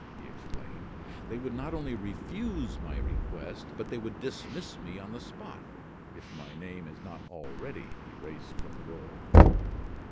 he exclaimed. "They would not only refuse my request, but they would dismiss me on the spot, if my name is not already erased from the roll."